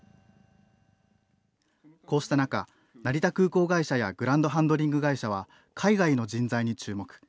こうした中、成田空港会社やグランドハンドリング会社は海外の人材に注目。